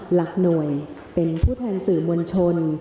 หลักหน่วยเป็นผู้แทนสื่อมวลชน